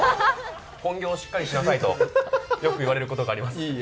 本業をしっかりしなさいとよく言われることがあります。